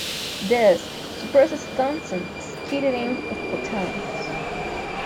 This suppresses Thomson scattering of photons.